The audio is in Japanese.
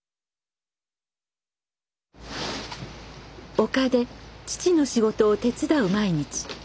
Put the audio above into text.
陸で父の仕事を手伝う毎日。